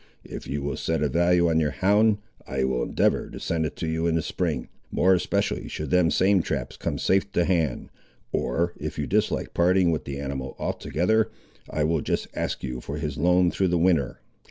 If you will set a value on your hound, I will endeavour to send it to you in the spring, more especially should them same traps come safe to hand; or, if you dislike parting with the animal altogether, I will just ask you for his loan through the winter.